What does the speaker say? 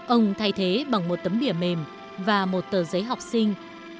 ông thay thế bằng một tấm đỉa mềm và một tờ giấy học sinh